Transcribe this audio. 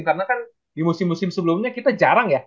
karena kan di musim musim sebelumnya kita jarang ya